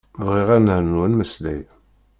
Bɣiɣ ad nernu ad nmeslay.